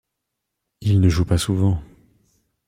Il ne joue pas souvent.